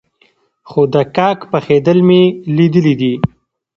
خو د کاک پخېدل مې ليدلي دي.